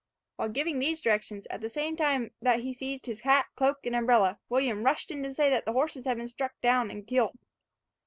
While giving these directions, at the same time that he seized his hat, cloak, and umbrella, William rushed in to say that the horses had been struck down and killed.